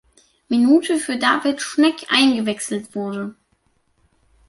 Minute für David Schnegg eingewechselt wurde.